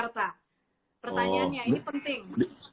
pertanyaannya ini penting